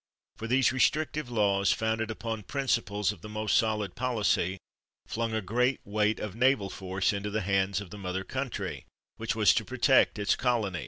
For these restrictive laws, founded upon principles of the most solid policy, flung a great weight of naval force into the hands of the mother country, which was to protect its colonies.